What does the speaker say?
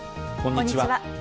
こんにちは。